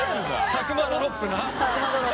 サクマドロップ。